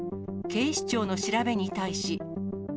警視庁の調べに対し。